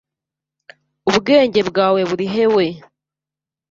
Ubwenge bwawe burihe wee?